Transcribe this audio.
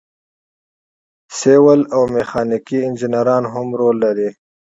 سیول او میخانیکي انجینران هم رول لري.